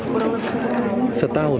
lebih satu tahun